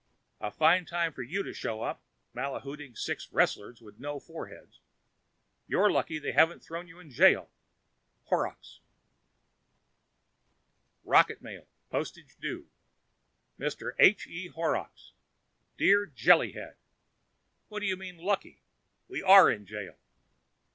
A fine place for you to show up mahouting six wrestlers with no foreheads. You're lucky they haven't thrown you in jail. Horrocks ROCKET MAIL (Postage Due) Mr. H. E. Horrocks Dear Jellyhead: What do you mean lucky? We are in jail.